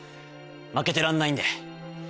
負けてらんないんで。